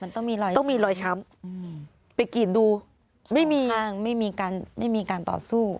ต้องมีรอยช้ำไปกรีดดูไม่มีการต่อสู้